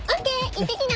行ってきな！